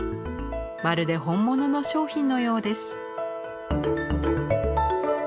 まるで本物の商品のようです。